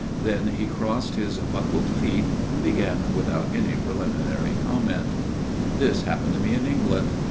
Then he crossed his buckled feet and began without any preliminary comment. " This happened to me in England.